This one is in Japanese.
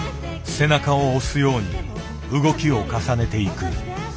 背中を押すように動きを重ねていく。